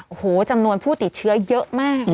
โอ้โหจำนวนผู้ติดเชื้อเยอะมาก